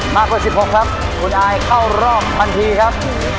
มากกว่า๑๖ครับคุณอายเข้ารอบทันทีครับ